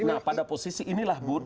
nah pada posisi inilah bur